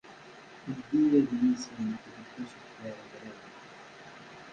Ldey adlis-nnek deg usebter mraw.